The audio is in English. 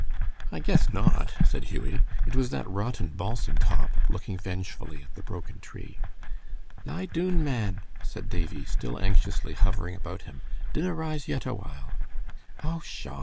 "I guess not," said Hughie. "It was that rotten balsam top," looking vengefully at the broken tree. "Lie doon, man," said Davie, still anxiously hovering about him. "Dinna rise yet awhile." "Oh, pshaw!"